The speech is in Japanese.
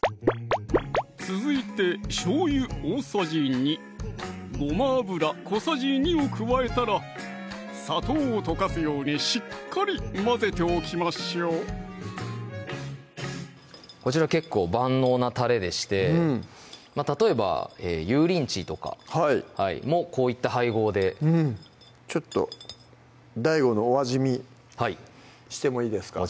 続いてしょうゆ大さじ２ごま油小さじ２を加えたら砂糖を溶かすようにしっかり混ぜておきましょうこちら結構万能なたれでしてうん例えばユーリンチーとかもこういった配合でちょっとＤＡＩＧＯのお味見してもいいですか？